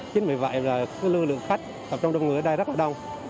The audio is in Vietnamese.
chính vì vậy lưu lượng khách tập trung đông người ở đây rất là đông